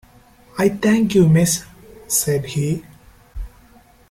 "I thank you, miss," said he.